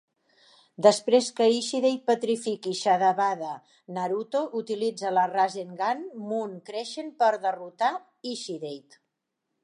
Després que Ishidate petrifiqui Shadabada, Naruto utilitza la Rasengan Moon Crescent per derrotar Ishidate.